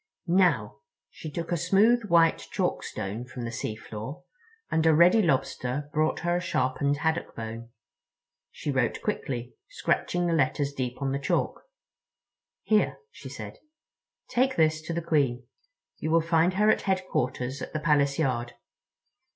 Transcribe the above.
Now"—she took a smooth white chalkstone from the seafloor, and a ready Lobster brought her a sharpened haddock bone. She wrote quickly, scratching the letters deep on the chalk. "Here," she said, "take this to the Queen. You will find her at Headquarters at the Palace yard.